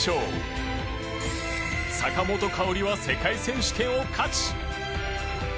坂本花織は世界選手権を勝ち。